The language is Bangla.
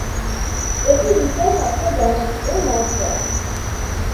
এটি বিশ্বের সবচেয়ে জনপ্রিয় মদ ব্র্যান্ড।